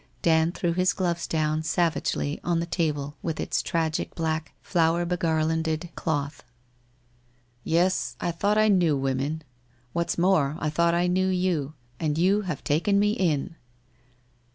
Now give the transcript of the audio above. Dand threw his gloves down, sav agely, on the table with its tragic black, flower begar landed cloth. 1 Yes, I thought I knew women. What's more, I thought I knew you, and you have taken me in